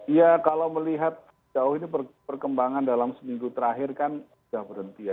ya kalau melihat jauh ini perkembangan dalam seminggu terakhir kan sudah berhenti ya